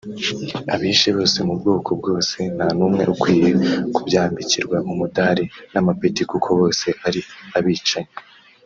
Abishe bose mu bwoko bwose nta n’umwe ukwiye kubyambikirwa umudari n’amapeti kuko bose ari abicanyi